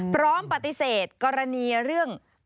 พร้อมปฏิเสธกรณีเรื่อง